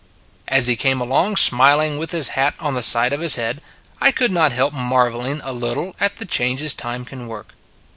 As he came along smiling, with his hat on the side of his head, I could not help marvelling a little at the changes time can work.